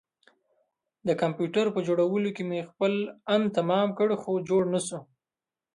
د کمپيوټر پر جوړولو مې خپل ان تمام کړ خو جوړ نه شو.